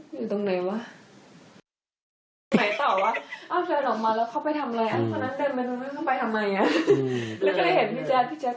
ไหนต่อว่าว่าเพลงเดินลงมาแล้วเข้าไปทำเลย